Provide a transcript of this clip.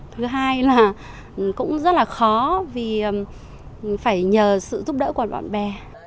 thứ hai là cũng rất là khó vì phải nhờ sự giúp đỡ của bạn bè